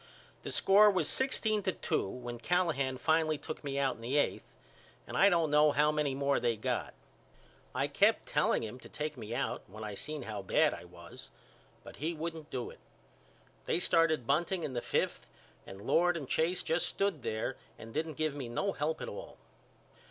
The score was sixteen to two when Callahan finally took me out in the eighth and I don't know how many more they got. I kept telling him to take me out when I seen how bad I was but he wouldn't do it. They started bunting in the fifth and Lord and Chase just stood there and didn't give me no help at all.